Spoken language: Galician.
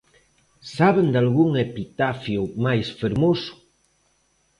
Saben dalgún epitafio máis fermoso?